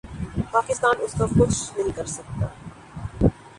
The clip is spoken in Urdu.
پاکستان اس کا کچھ نہیں کر سکتا۔